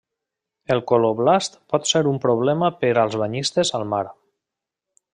El col·loblast pot ser un problema per als banyistes al mar.